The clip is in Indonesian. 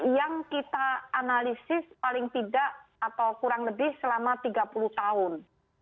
yang kita analisis paling tidak atau kurang lebih selama tiga puluh tahun